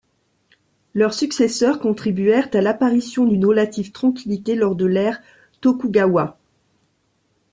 Leurs successeurs contribuèrent à l'apparition d'une relative tranquillité lors de l'ère Tokugawa.